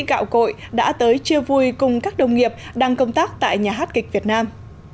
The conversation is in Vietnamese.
gạo cội đã tới chia vui cùng các đồng nghiệp đang công tác tại nhà hát kịch việt nam